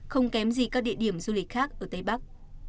không kém gì các địa điểm du lịch khác ở tây bắc